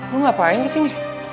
lo ngapain kesini